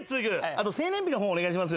あと生年日の方お願いします。